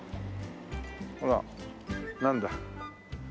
ほらなんだ？